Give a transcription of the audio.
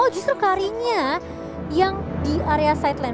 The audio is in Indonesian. oh justru kari nya yang di area sideline